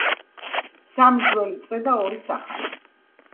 სამი ძველი წრე და ორიც ახალი.